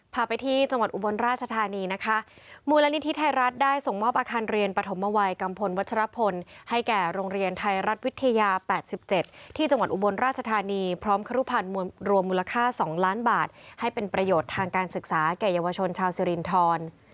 พาไปที่จังหวัดอุบลราชธานีนะคะมูลนิธิไทยรัฐได้ส่งมอบอาคารเรียนปฐมวัยกัมพลวัชรพลให้แก่โรงเรียนไทยรัฐวิทยา๘๗ที่จังหวัดอุบลราชธานีพร้อมครุพันธ์รวมมูลค่า๒ล้านบาทให้เป็นประโยชน์ทางการศึกษาแก่เยาวชนชาวสิรินทร